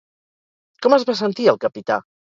Com es va sentir el capità?